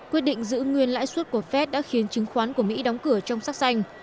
quyết định giữ nguyên lãi suất của fed đã khiến chứng khoán của mỹ đóng cửa trong sắc xanh